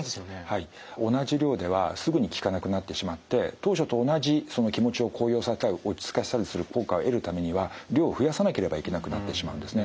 はい同じ量ではすぐに効かなくなってしまって当初と同じ気持ちを高揚させたり落ち着かせたりする効果を得るためには量を増やさなければいけなくなってしまうんですね。